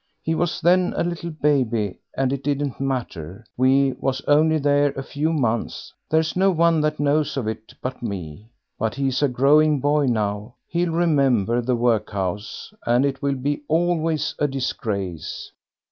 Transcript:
He was then a little baby and it didn't matter; we was only there a few months. There's no one that knows of it but me. But he's a growing boy now, he'll remember the workhouse, and it will be always a disgrace."